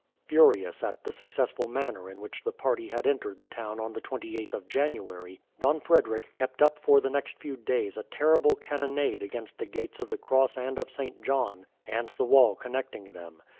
Furious at the successful manner in which the party had entered the town on the 28th of January, Don Frederick kept up for the next few days a terrible cannonade against the gates of the Cross and of St. John, and the wall connecting them.